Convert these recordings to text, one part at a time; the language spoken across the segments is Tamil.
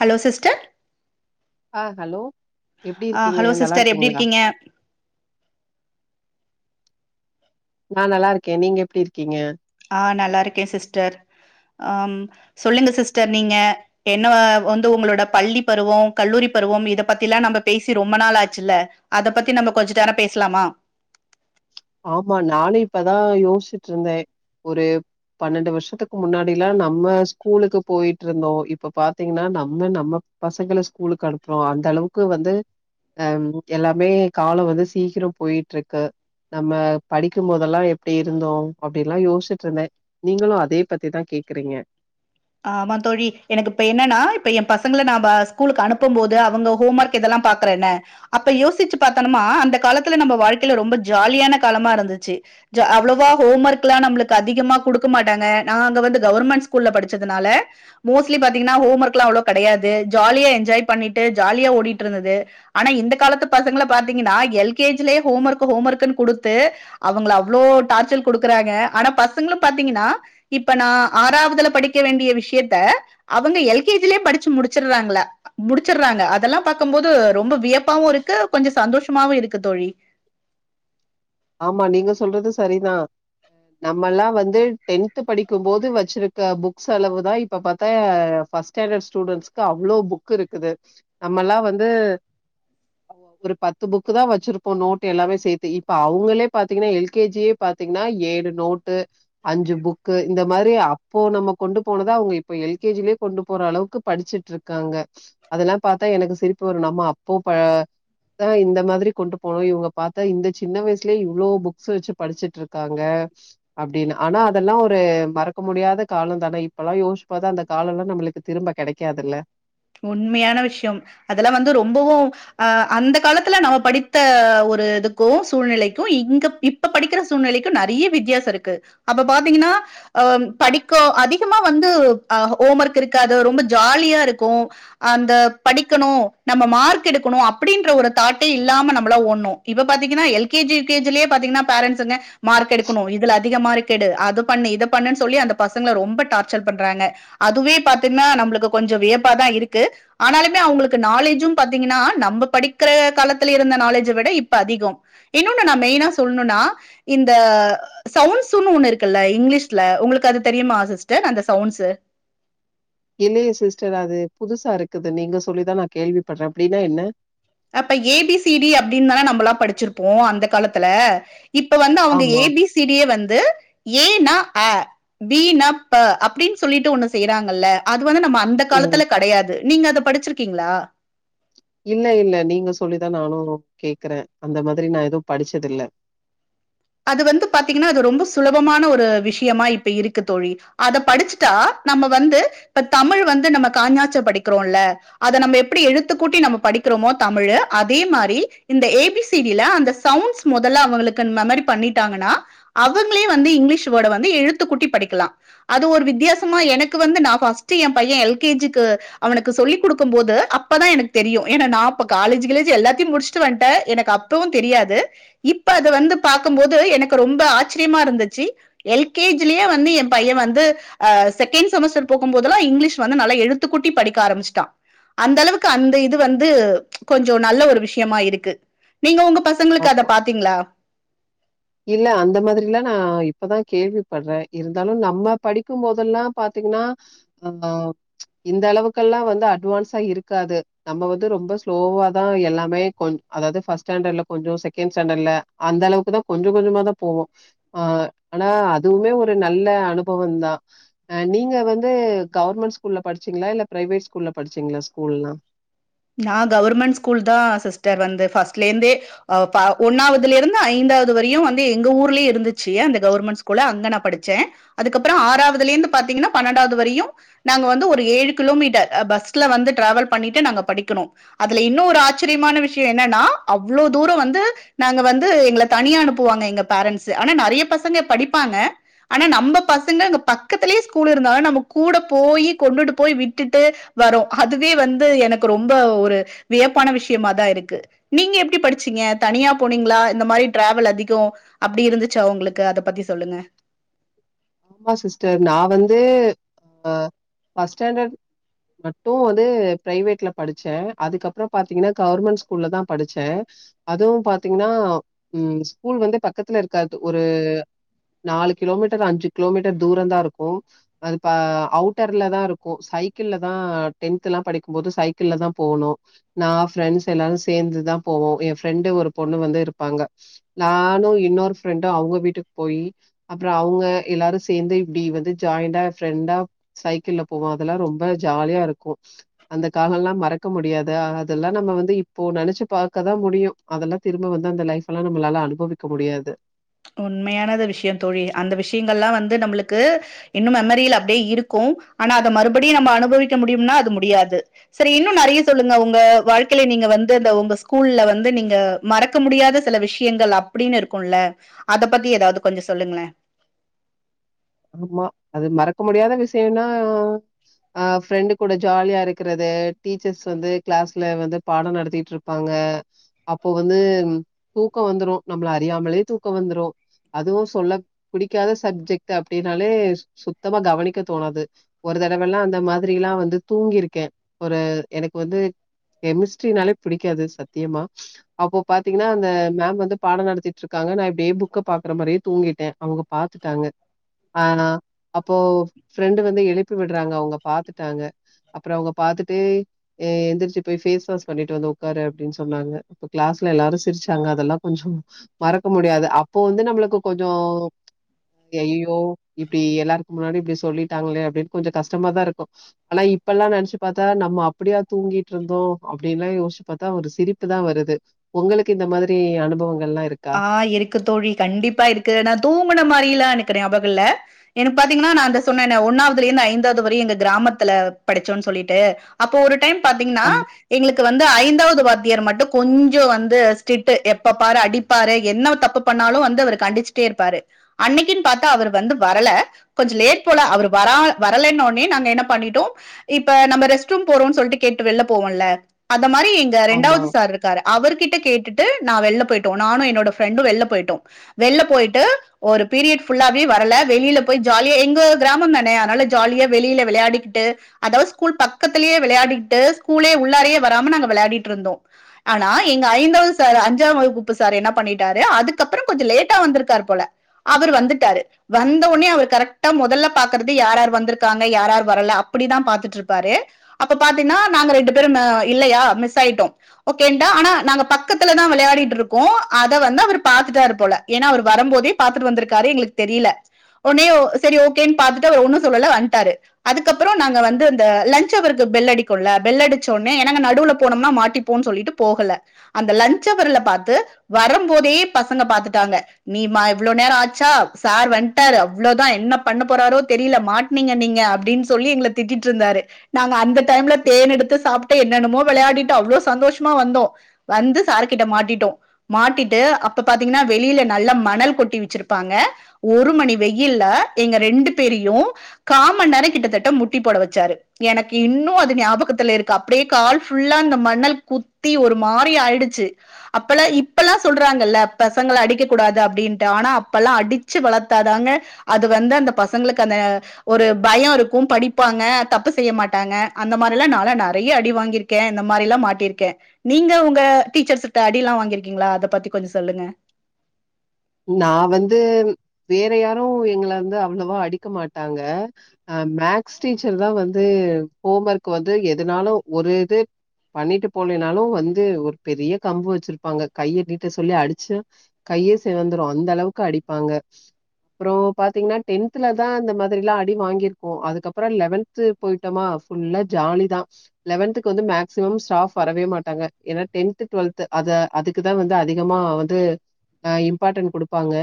ஹலோ சிஸ்டர் ஆ ஹலோ எப்டி ஆ இருக்கீங்க ஹலோ நல்லா சிஸ்டர் எப்டி இருக்கீங்களா இருக்கீங்க நா நல்லா இருக்கே நீங்க எப்டி இருக்கீங்க ஆ நல்லா இருக்கே சிஸ்டர் அம் சொல்லுங்க சிஸ்டர் நீங்க என்ன வந்து உங்களோட பள்ளி பருவம் கல்லூரி பருவம் இத பத்தில்லா நம்ம பேசி ரொம்ப நாள் ஆச்சு இல்ல அத பத்தி நம்ம கொஞ்ச நேரம் பேசலாமா ஆமா நானும் இப்பதா யோசிச்சுட்டு இருந்தே ஒரு பன்னெண்டு வருஷத்துக்கு முன்னாடில்லா நம்ம ஸ்கூலுக்கு போயிட்டு இருந்தோ இப்ப பாத்தீங்கன்னா நம்ம நம்ம பசங்கள ஸ்கூலுக்கு அனுப்புறோ அந்த அளவுக்கு வந்து அம் எல்லாமே காலம் வந்து சீக்கிரம் போயிட்டு இருக்கு நம்ம படிக்கும்போதெல்லாம் எப்டி இருந்தோ அப்டினல்லா யோசிட்டு இருந்தே நீங்களும் அதோ பத்திதா கேக்குறீங்க ஆமா தோழி எனக்கு இப்ப என்னன்னா இப்ப ஏ பசங்கள நா ஸ்கூலுக்கு அனுப்பும் போது அவங்க ஹோம் ஒர்க் இதெல்லா பாக்குற என்ன அப்ப யோசிச்சு பாத்தம்மா அந்த காலத்துல நம்ம வாழ்க்கையில ரொம்ப ஜாலியான காலமா இருந்துச்சு ஞ்ச அவ்வளவா ஹோம் ஒர்க்ல்லா நம்மளுக்கு அதிகமா குடுக்க மாட்டாங்க நாங்க வந்து கவர்மெண்ட் ஸ்கூல்ல படி ச்சதனால மோஸ்ட்லி பாத்தீங்கன்னா ஹோம் ஒர்க்ல்லா அவ்ள கெடையாது ஜாலியா என்ஜாய் பண்ணிட்டு ஜாலியா ஓடிட்டு இருந்தது ஆனா இந்த காலத்து பசங்கள பாத்தீங்கன்னா எல் கே ஜி லயே ஹோம் ஒர்க் ஹோம் ஒர்க்ன்னு குடுத்து அவங்கள அவ்வளோ டார்ச்சல் குடுக்குறாங்க ஆனா பசங்களும் பாத்தீங்கன்னா இப்ப நா ஆறாவதுல படிக் டிக்க வேண்டிய விஷயத்த அவங்க எல் கேஜிலயே படிச்சு முடிச்சுறாங்ளா முடிச்சறாங்க அதெல்லா பாக்கு போது ரொம்ப வியப்பாவு இருக்கு கொஞ்சோ சந்தோஷமாவு இருக்கு தோழி ஆமா நீங்க சொல்றது சரிதா நம்மல்லா வந்து டென்த் படிக்கும்போது வச்சிருக்க புக்ஸ் அளவு தா இப்ப பாத்தா ஃபஸ் ஸ்டாண்டர்ட் ஸ்டூடண்டட்ஸ்க்கு அவ்ளோ புக் இருக்குது நம்மல்லா வந்து ஒரு பத்து புக்கு தா வச்சிருப்போ நோட் எல்லாமே சேத்தி இப்ப அவங்களே பாத்தீங்கன்னா எல் கே ஜி யே பாத்தீங்கன்னா ஏழு நோட்டு அஞ்சு புக்கு இந்த மாரி அப்போ நம்ம கொண்டு போனத அவங்க இப்ப எல் கே ஜி லயே கொண்டு போற அளவுக்கு படிச்சு ச்சுட்ருக்காங்க அதெல்லா பாத்தா எனக்கு சிரிப்பு வரும் நம்ம அப்போ ப தா இந்த மாதிரி கொண்டு போய் இவங்க பாத்தா இந்த சின்ன வயசுலயே இவ்ளோ புக்ஸ் வச்சு படிச்சிட்டு இருக்காங்க அப்டின்னு ஆனா அதெல்லா ஒரு மறக்க முடியாத காலோ தான இப்பல்லா யோசிச்சு பாத்தா அந்த காலோல்லா நம்மளுக்கு திரும்ப கெடைக்காதுல்ல உண்மையான விஷயம் அதெல்லா வந்து ரொம்பவும் ஆ அந்த காலத்துல நம்ம படித்த ஒரு இதுக்கும் சூழ்நிலைக்கும் இங்க இப் படிக்கிற சூழ்நிலைக்கு நெறைய வித்தியாசோருக்கு அப்ப பாத்தீங்ன்னா அஹ் படிக்க அதிகமா வந்து அஹ் ஹோம் ஒர்க் இருக்காது ரொம்ப ஜாலியா இருக்கு அந்த படிக்கணு நம்ம மார்க் எடுக்குணு அப்டின்ற ஒரு தாட்டே இல்லாம நம்மளா ஓடுனோ இப்ப பாத்தீங்கன்னா L K G U K G லயே பாத்திகன்னா பேரன்ஸுங்க மார்க் எடுக்குணு இதுல அதிக மார்க் எடு அது பண்ணு இத பண்ணுன்னு சொல்லி அந்த பசங்கள ரொம்ப டார்ச்சர் பண்றாங்க அதுவே பாத்தீங்ன்னா நம்பளுக்கு கொஞ்சோ வியப்பாதா இருக்கு ஆனாலுமே அவுங்களுக்கு நாலேஜூ பாத்தீங்கன்னா நம்ப படிக்குற காலத்துல இருந்த நாலேஜ விட இப்ப அதிகோ இன்ணோன்னு நா மெய்னா சொல்ணுனா இந்த சவுண்ட்ஸுன்னு ஒண்ணு இருக்குல்ல இங்கிலீஷ்ல உங்களுக்கு அது தெரியுமா சிஸ்டர் அந்த சவுண்ட்ஸு இல்லயே சிஸ்டர் அது புதுசா இருக்குது நீங்க சொல்லிதா நா கேள்வி பட்றே அப்டின்னா என்ன அப்ப ஏபிசிடி அப்டின்தானே நம்பளா படிச்சிருப்போ அந்த காலத்துல இப்ப வந்து அவங்க ஆமா. ஏபிசிடியே வந்து ஏனா அ பீனா ப அப்டின் சொல்லிட்டு ஒண்ணு செய்றாங்கல்ல அது வந்து நம்ம அந் அந்த ஓ! காலத்துல கடையாது நீங்க அத படிச்சிர்க்கீங்ளா இல்ல இல்ல நீங்க சொல்லிதா நானு கேக்குறே அந்த மாதிரி நா எதுவு படிச்சதில்ல அது வந்து பாத்தீங்கன்னா அது ரொம்ப சுலபமான ஒரு விஷயமா இப்ப இருக்கு தோழி அத படிச்சிட்டா நம்ம வந்து இப்ப தமிழ் வந்து நம்ம காஞாசா படிக்கிறோல அத நம்ப எப்டி எழுத்துக்கூட்டி நம்ம படிக்கிறோமோ தமிழு அதே மாரி இந்த ஏ பி சி டி ல அந்த சவுண்ட்ஸ் மொதல்ல அவுங்களுக்கு அந்த மெமரி பண்ணிடாகனா அவங்களே வந்து இங்கிலீஷ் வேர்ட வந்து எழுத்துக்கூட்டி படிக்லா அது ஒரு வித்தியாசமா எனக்கு வந்து நா ஃபர்ஸ்ட் ஏ பையே எல் கே ஜி க்கு அவனுக்கு சொல்லிக் குடுக்கும் போது அப்பதா எனக்கு தெரியு ஏன்னா நா அப்ப காலேஜ் கீலேஜ் எல்லாத்தியு முடிச்சுட் வன்டே எனக்கு அப் இப்பவு தெரியாது இப்ப அது வந்து பாக்கும்போது எனக்கு ரொம்ப ஆச்சிரியமா இருந்துச்சு எல் கே ஜி லியே வந்து ஏ பையே வந்து அஹ் செகேண்ட் செமஸ்டர் போகும்போதுலா இங்கிலீஷ் வந்து நல்லா எழுத்துக்கூட்டி படிக்க ஆரம்ச்சுட்டா அந்த அளவுக்கு அந்த இது வந்து கொஞ்சோ நல்ல ஒரு விஷயமா இருக்கு நீங்க உங்க பசங்களுக்கு அத ஆமா. பாத்தீங்ளா இல்ல அந்த மாதிரிலா நா இப்பதா கேள்வி படுறே இருந்தாலு நம்ம படிக்கு போதெல்லா பாத்தீங்ன்னா அஹ் ஆஹ் இந்த அளவுக்கெல்லா வந்து அட்வான்ஸா இருக்காது நம்ம வந்து ரொம்ப ஸ்லோவாதா எல்லாமே கொ அதாவது ஃபர்ஸ்ட் ஸ்டாண்டர்ல கொஞ்சோ செகேண்ட் ஸ்டாண்டர்ல அந்தளவுக்குதா கொஞ்சோ கொஞ்சோமாதா போவோ ஆ ஆனா அதுவுமே ஒரு நல்ல அனுபவோதா நீங்க வந்து கவர்மண்ட் ஸ்கூல்ல படிச்சீங்ளா இல்ல பிரைவேட் ஸ்கூல்ல படிச்சீங்ளா ஸ்கூல்லா நா கவுர்மண்ட் ஸ்கூல்தா சிஸ்டர் வந்து ஃபஸ்ட்லேந்தே ஆ பா ஒன்னாவதுலேர்ந்து ஐந்தாவது வரையு வந்து எங்க ஊர்லியே இருந்துச்சு அந்த கவுர்மண்ட் ஸ்கூல் அங்க நா படிச்சே அதுக்கப்றோ ஆறாவதுளேந்து பாத்திக்கண்ண பண்ணன்டாவது வரையு நாங்க வந்து ஒரு ஏழு கிலோமீட்டர் பஸ்ல வந்து டிராவல் பண்ணிட்டு நாங்க படிக் க்குணு அதுல இன்னு ஒரு ஆச்சிரியமான விஷயோ என்னனா அவ்ளோ தூரோ வந்து நாங்க வந்து எங்கள தனியா அனுப்புவாங்க எங்க பேரண்ட்ஸு ஆனா நெறைய பசங்க படிப்பாங்க ஆனா நம்ப பசங்க அங்க பக்கத்துலயே ஸ்கூல் இருந்தாலு நம்ம கூட போய் கொண்டுட்டு போய் விட்டுட்டு வரு அதுவே வந்து எனக்கு ரொம்ப ஒரு வியப்பான விஷ்யமாதா இருக்கு நீங்க எப்டி படிச்சீங்க தனியா போனீங்ளா இந்த மாரி டிராவல் அதிகோ அப்டி இருந்துச்சா உங்களுக்கு அத பத்தி சொல்லுங்க ஆமா சிஸ்டர் நா வந்து ஃபஸ்ட் ஸ்டேண்டர்ட் மட்டு வந்து பிரைவேட்ல படிச்சே அதுக்கப்றோ பாத்தீங்கனா கவுர்மண்ட் ஸ்கூல்லதா படிச்சே அதுவு பாத்தீங்னா உம் ஸ்கூல் வந்து பக்கத்துல இருக்காது ஒரு நாலு கிலோமீட்டர் அஞ்சு கிலோமீட்டர் தூரோதா இருக்கு அதுப்ப அவுட்டர்லதா இருக்கு சைக்கிள்ளதா டென்த்லா படிக்கும் போது சைக்கிள்ளதா போணு நா ஃப்ரெண்ட்ஸ் எல்லாரு சேந்துதா போவோ ஏ ஃப்ரெண்டு ஒரு பொண்ணு வந்து இருப்பாங்க நானு இன்னொரு ஃப்ரெண்டு அவுங்க வீட்டுக்கு போயி அப்புறோ அவ்ங்க எல்லாரு சேந்து இப்டி வந்து ஜாயிண்டா ஃப்ரெண்டா சைக்கிள்ல போவோ அதெல்லா ரொம்ப ஜாலியா இருக்கு அந்த காலல்லா மறக்க முடியாது அதெல்லா நம்ம வந்து இப்போ நெனச்சு பாக்கதா முடியு அதெல்லா திரும்ப வந்து அந்த லைஃப்ல்லா நம்மளாலா அனுபவிக்க முடியாது உண்மையானது விஷய தோழி அந்த விஷயங்கள்லா வந்து நம்மளுக்கு இன்னு மெமரில்ல அப்டியே இருக்கு ஆனா அத மறுபடியு நம்ம அனுபவிக்க முடியும்னா அது முடியாது செரி இன்னு நெறைய சொல்லுங்க உங்க வாழ்க்கையில நீங்க வந்து அந்த உங்க ஸ்கூல்ல வந்து நீங்க மறக்க முடியாத சில விஷயங்கள் அப்டின்னு இருக்கும்ல அத பத்தி ஏதாவது கொஞ்ச சொல்லுங்களே ஆமா அது மறக்க முடியாத விஷயனா அஹ் ஃப்ரெண்டு் கூட ஜாலியா இருக்கறது டீச்சர்ஸ் வந்து கிளாஸ்ல வந்து பாட நடத்திட்டுருப் பாங்க அப்போ வந்து தூக்கோ வந்துரு நம்மள அறியாமலே தூக்கோ வந்துரு அதுவு சொல்ல புடிக்காத சப்ஜெக்ட் அப்டின்னாலே சுத்தமா கவனிக்க தோணாது ஒரு தடவல்லா அந்த மாதிரில்லா வந்து தூங்கிருக்கே ஒரு எனக்கு வந்து கெமிஸ்ட்ரினாலே பிடிக்காது சத்தியமா அப்போ பாத்தீங்கன்னா அந்த மேம் வந்து பாட நடத்திட்டுருக்காங்க நா இப்டியே புக்க பாக்குற மாரியே தூங்கிட்டே அவங்க பாத்துட்டாங்க ஆ அப்போ ஃப்ரெண்டு் வந்து எழுப்பி விடுறாங்க அவங்க பாத்துட்டாங்க அப்ற அவங்க பாத்துட்டு எந்திரிச்சு பேஸ் வாஷ் பண்ணிட்டு வந்து உடக்காரு அப்டின்னு சொன்னாங்க அப்ப கிளாஸ்ல எல்லாரு சிரிச்சாங்க அதெல்லா கொஞ்சோ மறக்க முடியாது அப்போ வந்து நம்மளுக்கு கொஞ்சோ ஐயையோ இப்டி எல்லாருக்கு முன்னாடி இப்டி சொல்லிட்டாங்களே அப்டின்னு கொஞ்ச கஷ்டமா தா இருக்கு ஆனா இப்பல்லா நெனச்சு பாத்தா நம்ம அப்டியா தூங்கிட்டுருந்தோம் அப்டின்னுல்லா யோசிச்சு பாத்தா ஒரு சிரிப்பு தா வருது உங்களுக்கு இந்த மாதிரி அனுபவங்கள்லா இருக் ஆ இருக்கு தோழி கண்டிப்பா இருக்கு ஆனா தூங்குன மாரிலா எனக்கு ஞாபக இல்ல எனக்கு பாத்தீங்கன்னா நா இந்த சொன்னனே ஒன்னாவதுல இருந்து ஐந்தாவது வரையு எங்க கிராமத்துல படிச்சோன்னு சொல்லிட்டு அப்போ ஒரு டைம் பாத்தீங்கன்னா ஆமா, எங்களுக்கு வந்து ஐந்தாவது வாத்தியார் மட்டு கொஞ்ச வந்து ஸ்ரிட்டு எப்ப பாரு அடி பாரு என்ன தப்பு பண்ணாலு வந்து அவர் கண்டிச்சுட்டே இருப்பாரு அன்னைக்குன்னு பாத்தா அவர் வந்து வரல கொஞ்ச லேட் போல அவர் வரா வரலைன்னோ நாங்க என்ன பண்ணிட்டோ இப்ப நம்ம ரெஸ்ட் ரூம் போறோம்னு சொல்லிட்டு கேட்டு வெல்ல போவோம்ல அந்த மாரி எங் ஆமா. ரெண்டாவது சார் இருக்காரு அவர்கிட்ட கேட்டுட்டு நா வெள்ள போயிட்டோ நானு என்னோட ஃபிரெண்டு வெள்ள போயிட்டோ வெள்ல போய்ட்டு ஒரு பீரியட் ஃபுல்லாவே வரல வெளியில போய் ஜாலியா எங்க கிராம தானே அதனால ஜாலியா வெளியில விளையாடிக்கிட்டு அதாவது ஸ்கூல் பக்கத்திலயே விளையாடிட்டு ஸ்கூலே உள்ளாரயே வராம நாங்க விளையாடிட்டு இருந்தோ ஆனா எங்க ஐந்தாவது சார் அஞ்சாம் வகுப்பு து சார் என்ன பண்ணிட்டாரு அதுக்கப்புறம் கொஞ்ச லேட்டா வந்திருக்கார் போல அவர் வந்துட்டாரு வந்தவுனே அவர் கரெக்டா மொதல்ல பாக்குறது யார் வந்திருக்காங்க யாரார் வரல அப்படிதா பாத்துட்டு இருப்பாரு அப்ப பாத்தீங்னா நாங்க ரெண்டு பேரும் இல்லையா மிஸ் ஆயிட்டோ ஓகேன்டா ஆனா நாங்க பக்கத்துல தா விளையாடிட்ருக் கோ அத வந்து அவரு பாத்துட்டாரு போல ஏன்னா அவர் வரும்போதே பாத்துட்டு வந்திருக்காரு எங்களுக்கு தெரில ஒன்னே சரி ஓகேன்னு பாத்துட்டு அவர் ஒண்ணு சொல்லல வந்ட்டாரு அதுக்கப்றோ நாங்க வந்து அந்த லஞ்சு அவருக்கு பெல் அடிக்குல பெல் அடிச்சோனே என நாங்க நடுவுல போனம்னா மாட்டிப்போன்னு சொல்லிட்டு போகல அந்த லஞ்சு அவர்ல பாத்து வரும்போதே பசங்க பாத்துட்டாங்க நீமா இவ்ளோ நேரம் ஆச்சா சார் வன்டாரு அவ்ளோதா என்ன பண்ண போறாரோ தெரியல மாட் நீங்க நீங்க அப்டின்னு சொல்லி எங்கள திட்டிட்டு இருந்தாரு நாங்க அந்த டைம்ல தேன் எடுத்து சாப்ட்டு என்னென்னமோ வெளையாடிட்டு அவ்ளவு சந்தோஷமா வந்தோ வந்து சார்கிட்ட மாட்டிட்டோ மாட்டிட்டு அப்ப பாத்தீங்ன்னா வெளியில நல்லா மணல் கொட்டி வச்சிருப்பாங்க ஒரு மணி வெயில்ல எங்க ரெண்டு பேரையு காமன்னேர கிட்டத்தட்ட முட்டி போட வச்சாரு எனக்கு இன்னு அது ஞாபகத்துல இருக்கு அப்படியே கால் ஃபுல்லா இந்த மணல் குத்தி ஒரு மாரி ஆயிடுச்சி அப்பலா இப் லா சொல்றாங்கல்ல பசங்கள அடிக்க கூடாது அப்டின்ட்டு ஆனா அப்பெல்லா அடிச்சு வளத்தாதாங்க அது வந்து அந்த பசங்களுக்கு அந்த ஒரு பய இருக்கு படிப்பாங்க தப்பு செய்ய மாட்டாங்க அந்த மாரிலா நாலா நெறைய அடி வாாங்கிருக் க்க இந்த மாரி எல்லா மாட்டிருக்கே நீங்க உங்க டீச்சர்ஸ்ட்ட அடில்லா வாங்கிருக்கீங்களா அத பத்தி கொஞ்ச சொல்லுங்க நா வந்து வேற யாரு எங்கள வந்து அவ்ளவா அடிக்க மாட்டாங்க அ மேக்ஸ் டீச்சர் தா வந்து ஹோம் ஒர்க் வந்து எதுனாலு ஒரு இது பண்ணிட்டு போலனாலு வந்து ஒரு பெரிய கம்பு வச்சிருப்பாங்க கைய நீட்ட சொல்லி அடிச்சு கையே செவந்துரு அந்த அளவுக்கு அடிப்பாங்க அப்புறோ பாத்தீங்கன்னா டென்த்ல தா இந்த மாதிரிலா அடி வாங்கிருகோ அதுக்கப்புற லெவன்த் து போயிட்டோமா ஃபுல்லா ஜாலி தா லெவன்துக்கு வந்து மேக்சிமம் ஸ்டாஃப் வரவே மாட்டாங்க ஏனா டென்த் டுவெல்த் அத அதுக்குதா வந்து அதிகமா வந்து ஆ இம்பார்ட்டன்ட் குடுப்பாங்க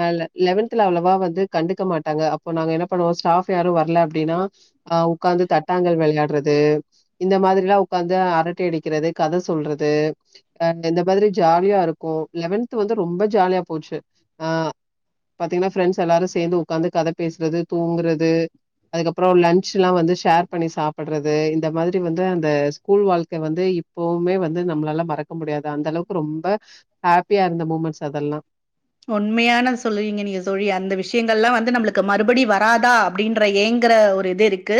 அ லெ லெவன்த்ல அவ்ளவா வந்து கண்டுக்க மாட்டாங்க அப்போ நாங்க என்ன பண்ணுவோ ஸ்டாஃப் யாரு வரல அப்டினா ஆ உக்காந்து தட்டாங்கல் விளையாடுறது இந்த மாதிரில்லா உக்காந்து அரட்ட அடிக்கிறது கத சொல்றது அ இந்த மாதிரி ஜாலியா இருக்கு லெவன்த் வந்து ரொம்ப ஜாலியா போச்சு அ பாத்தீங்கனா பிஃரெண்ட்ஸ் எல்லாரு சேந்து உக்காந்து கத பேசுறது தூங்குறது அதுக்கப்புற லன்ச் எல்லா வந்து ஷேர் பண்ணி சாப்பிடுறது இந்த மாதிரி வந்து அந்த ஸ்கூல் வாழ்க்க வந்து இப் எப்பவுமே வந்து நம்மளால மறக்க முடியாது அந்த அளவுக்கு ரொம்ப ஹாப்பியா இருந்த மூமெண்ட்ஸ் அதெல்லா உண்மையான சொல்றீங்க நீங்க தோழி அந்த விஷயங்கள் எல்லா வந்து நம்மளுக்கு மறுபடி வராதா அப்டின்ற ஏங்கற ஒரு இது இருக்கு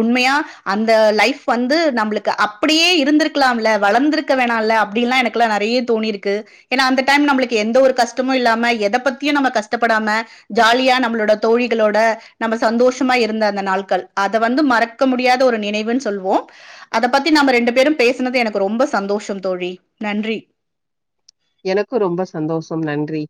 உண்மையா அந்த லைஃப் வந்து நம்பளுக்கு அப்படியே இருந்திருக்கலாம்ல வளந்திருக் க வேணால அப்டின்ல்லா எனக்கு நெறய தோணி இருக்கு ஏனா அந்த டைம் நம்பளுக்கு எந்த ஒரு கஷ்ட டமு இல்லாம எத பத்தியு நம்ம கஷ்டப்படாம ஜாலியா நம்மளோட தோழிகளோட நம்ம சந்தோஷமா இருந்த அந்த நாள்கள் அத வந்து மறக் க முடியாத ஒரு நினைவுன் சொல்வோ அத பத்தி நாம ரெண்டு பேரும் பேசினது எனக்கு ரொம்ப சந்தோஷம் தோழி நன்றி எனக்கும் ரொம்ப சந்தோஷம் நன்றி